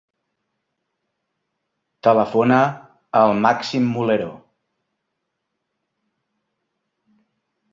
Telefona al Màxim Mulero.